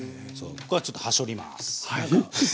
ちょっとはしょります。